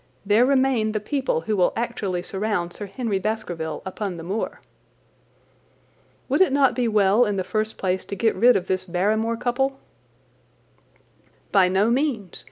There remain the people who will actually surround Sir Henry Baskerville upon the moor." "Would it not be well in the first place to get rid of this Barrymore couple?" "By no means.